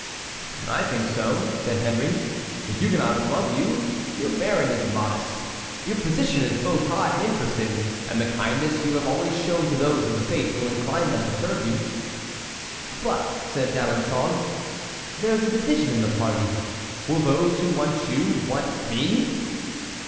"I think so," said Henry. "The Huguenots love you. Your bearing is modest, your position both high and interesting, and the kindness you have always shown to those of the faith will incline them to serve you." "But," said D'Alençon, "there is a division in the party. Will those who want you want me?"